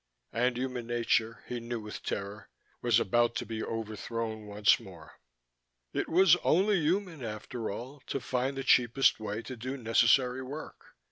And human nature, he knew with terror, was about to be overthrown once more. It was only human, after all, to find the cheapest way to do necessary work.